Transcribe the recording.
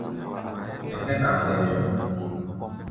Mɛ kɛ̧́ kam, ɛɛ nyɔŋ.